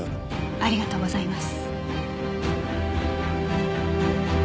ありがとうございます。